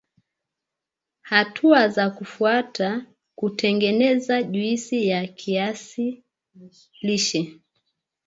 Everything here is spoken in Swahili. Hatua za kufuata kutengeneza juisi ya kiazi lishe